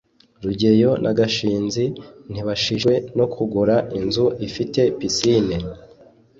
rugeyo na gashinzi ntibashishikajwe no kugura inzu ifite pisine